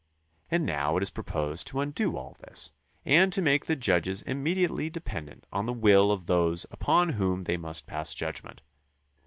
And now it is proposed to undo all this and to make the judges immediately de pendent on the will of those upon whom they must pass judgment.